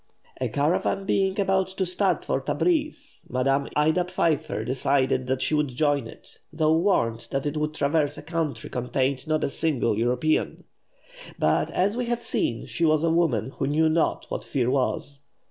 A caravan being about to start for Tabrîz, Madame Ida Pfeiffer decided that she would join it, though warned that it would traverse a country containing not a single European. But, as we have seen, she was a woman who knew not what fear was.